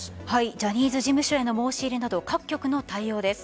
ジャニーズ事務所への申し入れなど、各局の対応です。